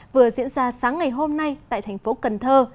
vừa diễn ra sáng ngày hôm nay tại thành phố cần thơ